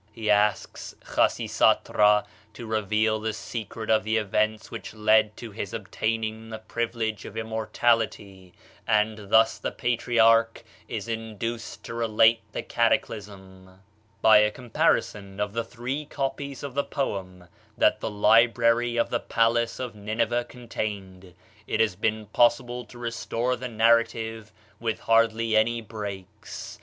He asks Khasisatra to reveal the secret of the events which led to his obtaining the privilege of immortality, and thus the patriarch is induced to relate the cataclysm. "By a comparison of the three copies of the poem that the library of the palace of Nineveh contained, it has been possible to restore the narrative with hardly any breaks.